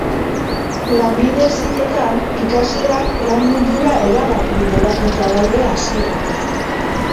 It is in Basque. Lanbide heziketan, ikasleak lan mundura erabat bideratuta daude hasieratik.